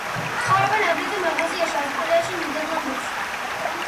ცხოვრობენ აგრეთვე მალაიზიაში, ავსტრალიაში, ნიდერლანდებში.